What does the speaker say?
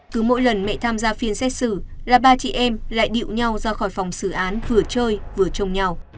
cứ mỗi lần mẹ tham gia phiên xét xử là ba chị em lại điệu nhau ra khỏi phòng xử án vừa chơi vừa trông nhau